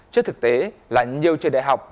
chứ thực tế là nhiều trường đại học